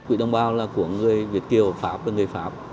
quỹ đồng bào là của người việt kiều pháp và người pháp